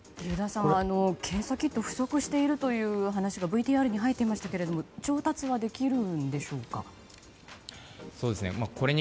油田さん、検査キットが不足しているという話がＶＴＲに入っていましたが調達はできるんでしょうか。